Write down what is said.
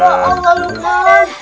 ya allah lukman